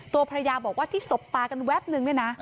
ตัวพระยาบอกว่าที่สบปากันแวบหนึ่งนะ